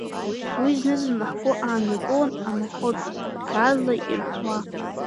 Уи зны-зынла ҳгәы ааннакылон амахорка, қьаадла ирҳәуа…